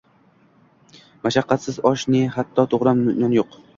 Mashaqqatsiz osh ne, hatto toʼgʼram non yoʼq.